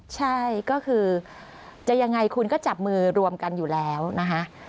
ใช่ก็คือจะยังไงคุณก็จับมือรวมกันอยู่แล้วนะคะ